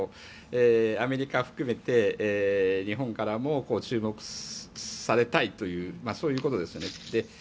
アメリカ含めて日本からも注目されたいというそういうことですよね。